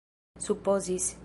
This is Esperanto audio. supozis